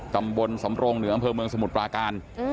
ตำบลสำรงเหนืออำเภอเมืองสมุทรปราการ